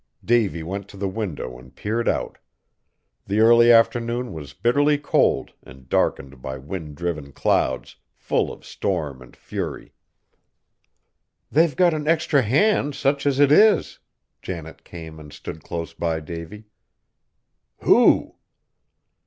Davy went to the window, and peered out. The early afternoon was bitterly cold, and darkened by wind driven clouds, full of storm and fury. "They've got an extra hand, such as it is." Janet came and stood close by Davy. "Who?"